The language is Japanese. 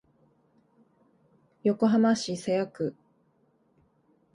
横浜市瀬谷区